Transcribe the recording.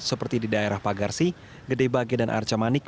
seperti di daerah pagarsi gedebagi dan arca manik